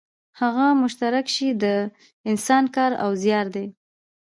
هغه مشترک شی د انسان کار او زیار دی